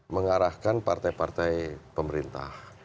mengarahkan partai partai pemerintah